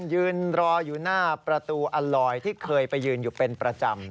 ยืนรออยู่หน้าประตูอัลลอยที่เคยไปยืนอยู่เป็นประจำ